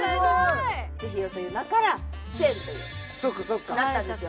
千尋という名から千というなったんですよ